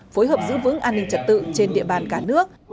phối hợp giữ vững an ninh trật tự trên địa bàn cả nước